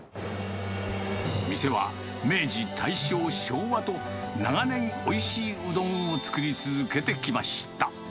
店は明治、大正、昭和と、長年、おいしいうどんを作り続けてきました。